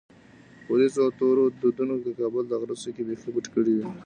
ورېځو او تورو دودونو د کابل د غره څوکې بیخي پټې کړې وې.